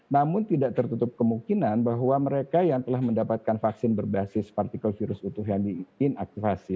namun tidak tertutup kemungkinan bahwa mereka yang telah mendapatkan vaksin berbasis partikel virus utuh yang diinaktivasi